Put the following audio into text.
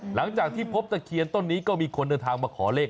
หลังจากที่พบตะเคียนต้นนี้ก็มีคนเดินทางมาขอเลข